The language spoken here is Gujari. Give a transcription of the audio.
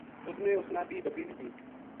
اُس نے اس نا بیہہ بکری دِتی